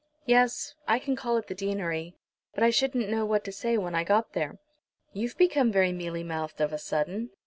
"Yes, I can call at the deanery; but I shouldn't know what to say when I got there." "You've become very mealy mouthed of a sudden."